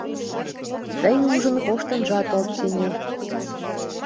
Тый ужын коштынжат от сеҥе...